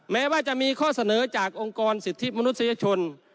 แม้ว่าจะมีข้อเสนอจากองค์กรสิทธิมนุษยชน